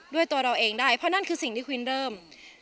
ด้วยตัวเราเองได้เพราะนั่นคือสิ่งที่ควีนเริ่ม